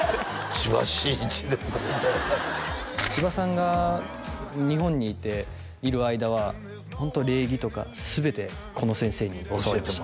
「千葉真一です」って千葉さんが日本にいている間はホント礼儀とか全てこの先生に教わりました